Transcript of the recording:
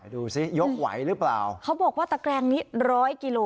ดูสิยกไหวหรือเปล่าเขาบอกว่าตะแกรงนี้ร้อยกิโล